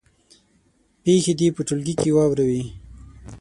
پېښې دې په ټولګي کې واوروي.